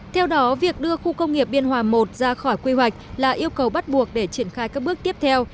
theo đó việc đưa khu công nghiệp biên hòa i ra khỏi quy hoạch là yêu cầu bắt buộc để triển khai các bước tiếp theo